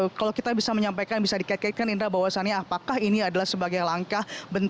nah ini memang kalau kita bisa menyampaikan bisa dikaitkan indra bahwasannya apakah ini adalah sebagai langkah bentuk polis sebabnya